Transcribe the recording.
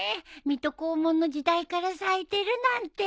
水戸黄門の時代から咲いてるなんて。